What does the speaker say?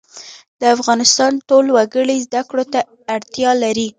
د افغانستان ټول وګړي زده کړو ته اړتیا لري